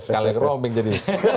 kaleng rombeng jadi